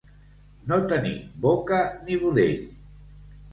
No tenir boca ni budell.